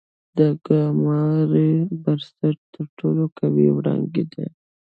د ګاما رې برسټ تر ټولو قوي وړانګې دي.